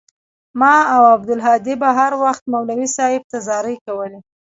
ما او عبدالهادي به هروخت مولوى صاحب ته زارۍ کولې.